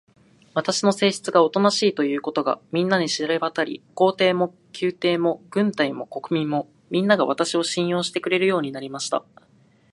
私の性質がおとなしいということが、みんなに知れわたり、皇帝も宮廷も軍隊も国民も、みんなが、私を信用してくれるようになりました。